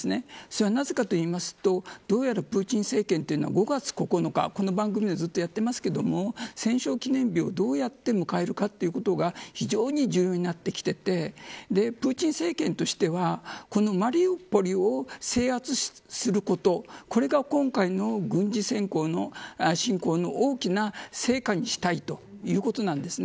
それはなぜかというとどうやらプーチン政権は５月９日この番組でもずっとやっていますが戦勝記念日をどうやって迎えるかが非常に重要になってきていてプーチン政権としてはこのマリウポリを制圧することこれが今回の軍事侵攻の大きな成果にしたいということなんです。